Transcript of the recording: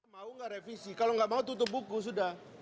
mau gak revisi kalau gak mau tutup buku sudah